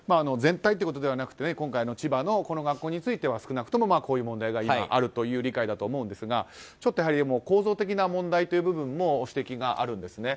全体ということではなくて今回の千葉の学校については少なくともこういう問題が今、あるという理解だと思うんですがちょっと、構造的な問題でもご指摘があるんです。